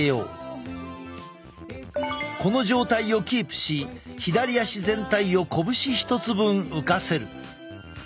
この状態をキープし左足全体を拳１つ分浮かせる。